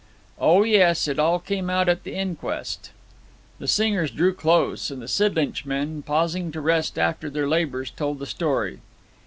'O yes. It all came out at the inquest.' The singers drew close, and the Sidlinch men, pausing to rest after their labours, told the story.